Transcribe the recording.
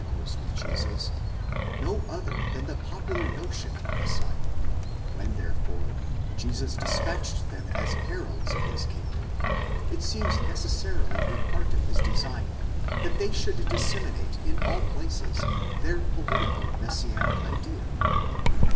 course with Jesus, no other than the popular notion of the Messiah ; when, therefore, Jesus despatched them as heralds of his kingdom, it seems neces sarily a part of his design, that they should disseminate in all places their political messianic idea.